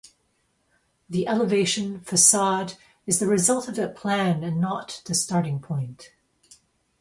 The elevation, facade, is the result of that plan and not the starting point...